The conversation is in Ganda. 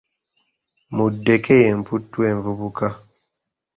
Muddeke y’emputtu envubuka.